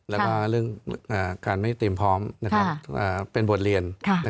แล้วก็เรื่องการไม่เตรียมพร้อมเป็นบทเรียน